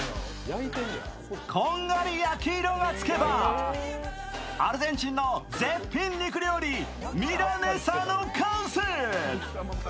こんがり焼き色がつけば、アルゼンチンの絶品肉料理ミラネサの完成。